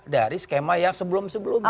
dari skema yang sebelum sebelumnya